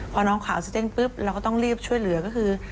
พอน้องขาวสติ้งปุ๊บเราก็ต้องรีบช่วยเหลือก็คือ